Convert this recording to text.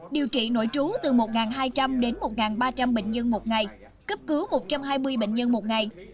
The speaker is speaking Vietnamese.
điều trị nội trú từ một hai trăm linh đến một ba trăm linh bệnh nhân một ngày cấp cứu một trăm hai mươi bệnh nhân một ngày